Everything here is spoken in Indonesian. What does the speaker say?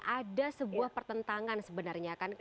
ada sebuah pertentangan sebenarnya kan